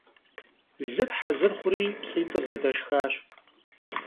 Лыр хьэзыр хъури, лӀитӀыр зэдэшхащ.